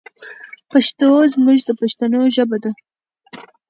پښتو زموږ پښتنو ژبه ده.